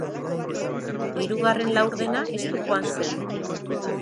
Hirugarren laurdena estu joan zen.